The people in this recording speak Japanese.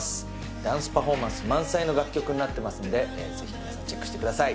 ダンスパフォーマンス満載の楽曲になってますんで、ぜひ皆さん、チェックしてください。